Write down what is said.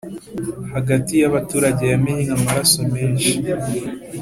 hagati y’abaturage yamennye amaraso menshi